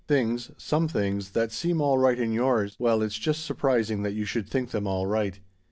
Things some things that seem all right in yours well, it's just surprising that you should think them all right.